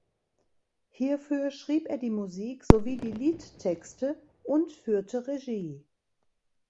Hierfür schrieb er die Musik sowie die Liedtexte und führte Regie.